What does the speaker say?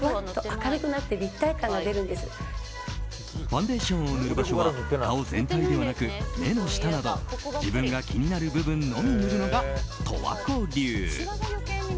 ファンデーションを塗る場所は顔全体ではなく目の下など自分が気になる部分のみ塗るのが十和子流。